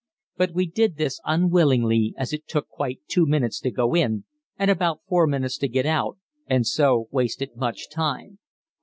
But we did this unwillingly, as it took quite two minutes to go in and about four minutes to get out, and so wasted much time.